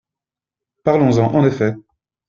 Parlons-en, en effet